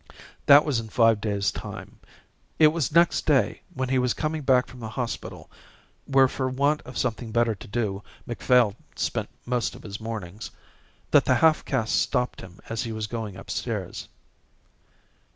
That was in five days' time. It was next day, when he was coming back from the hospital where for want of something better to do Macphail spent most of his mornings, that the half caste stopped him as he was going upstairs.